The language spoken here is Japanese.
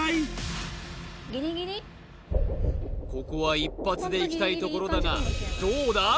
ここは一発でいきたいところだがどうだ？